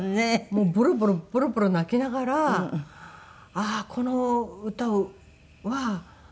もうボロボロボロボロ泣きながらああこの歌は覚えているんだって。